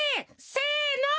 せの！